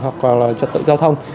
hoặc là trật tự giao thông